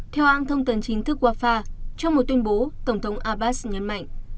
theo án thông tấn chính thức rafah trong một tuyên bố tổng thống abbas nhấn mạnh